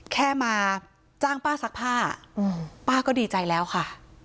แค่มาจ้างป้าซักผ้าป้าก็ดีใจแล้วค่ะ